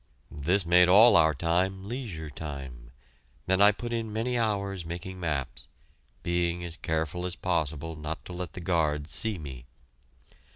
This made all our time leisure time, and I put in many hours making maps, being as careful as possible not to let the guards see me.